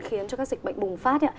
khiến cho các dịch bệnh bùng phát